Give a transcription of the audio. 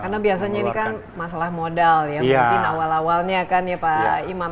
karena biasanya ini kan masalah modal kan mielokin awalnya ya pak imam